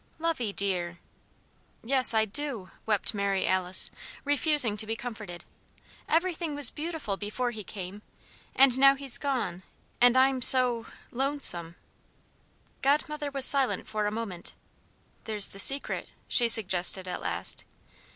"Lovey dear!" "Yes, I do!" wept Mary Alice, refusing to be comforted. "Everything was beautiful, before he came. And now he's gone, and I'm so lonesome!" Godmother was silent for a moment. "There's the Secret," she suggested, at last.